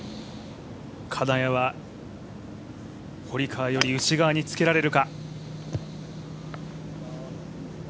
金谷は堀川より内側につけられるか。